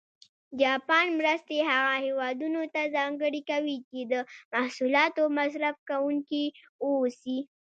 جاپان مرستې هغه هېوادونه ته ځانګړې کوي چې د محصولاتو مصرف کوونکي و اوسي.